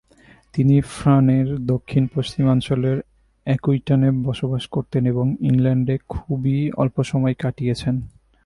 তিনি ফ্রানের দক্ষিণ-পশ্চিমাঞ্চলের অ্যাকুইটাইনে বসবাস করতেন এবং ইংল্যান্ডে খুবই অল্পসময় কাটিয়েছেন।